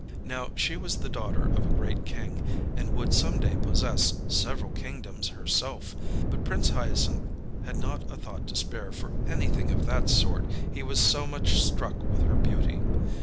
Now, she was the daughter of a great king, and would some day possess several kingdoms herself; but Prince Hyacinth had not a thought to spare for anything of that sort, he was so much struck with her beauty.